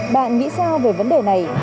bạn nghĩ sao về vấn đề này